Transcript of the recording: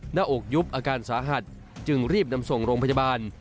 หน้าอกยุบอาการสาหัสจึงรีบนำส่งโรงพยาบาล